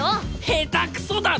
下手くそだろ！